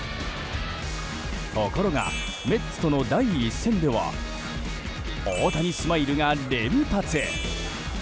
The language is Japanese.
ところが、メッツとの第１戦では大谷スマイルが連発！